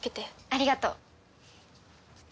ありがとう。